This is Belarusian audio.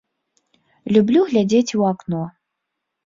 Люблю глядзець у акно.